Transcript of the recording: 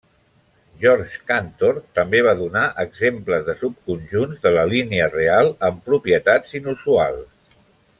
Georg Cantor també va donar exemples de subconjunts de la línia real amb propietats inusuals.